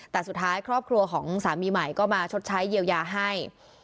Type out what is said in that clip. แต่สุดท้ายครอบครัวของสามีใหม่ก็มาชดใช้เยียวยาให้